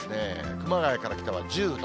熊谷から北は１０度。